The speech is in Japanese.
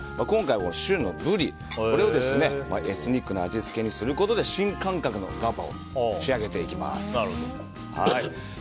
今回は旬のブリをエスニックな味付けにすることで新感覚のガパオに仕上げていきます。